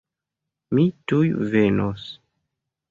Mi tuj venos.